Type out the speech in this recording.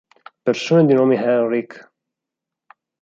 Persone di nome Henrik